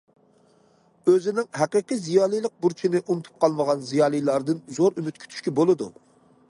ئۆزىنىڭ ھەقىقىي زىيالىيلىق بۇرچىنى ئۇنتۇپ قالمىغان زىيالىيلاردىن زور ئۈمىد كۈتۈشكە بولىدۇ.